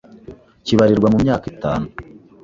kibarirwa mu myaka itanu